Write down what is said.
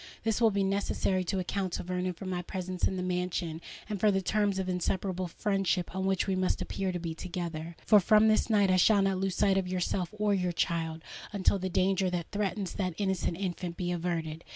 This will be necessary to account to Vernon for my presence in the mansion, and for the terms of inseparable friendship on which we must appear to be together. For from this night I shall not lose sight of yourself or your child, until the danger that threatens that innocent infant be averted.